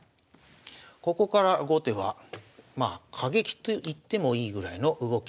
ここから後手は過激といってもいいぐらいの動きに出ます。